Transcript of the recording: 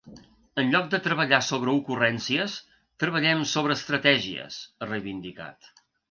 “En lloc de treballar sobre ocurrències, treballem sobre estratègies”, ha reivindicat.